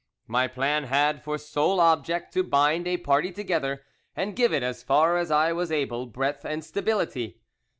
"My plan had for sole object to bind a party together, and give it as far as I was able breadth and stability.